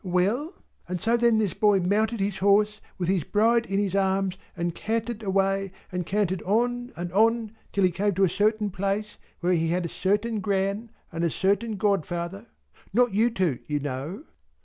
"Well! And so then this boy mounted his horse, with his bride in his arms, and cantered away, and cantered on and on till he came to a certain place where he had a certain Gran and a certain godfather, not you two, you know."